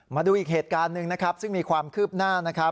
มาดูอีกเหตุการณ์หนึ่งซึ่งมีความคืบหน้า